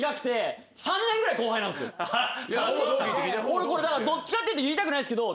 俺これどっちかっていうと言いたくないっすけど。